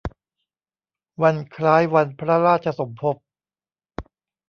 วันคล้ายวันพระราชสมภพ